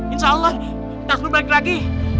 insya allah tas lu balik lagi